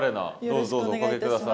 どうぞどうぞおかけ下さい。